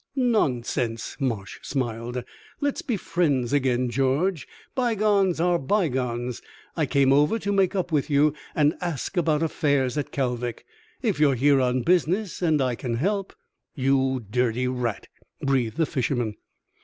"Nonsense!" Marsh smiled. "Let's be friends again, George. Bygones are bygones. I came over to make up with you and ask about affairs at Kalvik. If you are here on business and I can help " "You dirty rat!" breathed the fisherman.